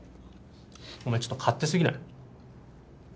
お前ちょっと勝手すぎない？